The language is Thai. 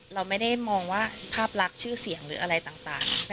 เราไม่ได้มองว่าภาพลักษณ์ชื่อเสียงหรืออะไรต่าง